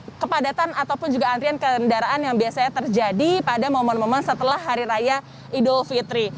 untuk kepadatan ataupun juga antrian kendaraan yang biasanya terjadi pada momen momen setelah hari raya idul fitri